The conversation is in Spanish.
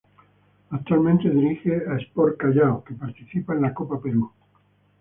Actualmente dirige a Sport Callao que participa en la Copa Perú.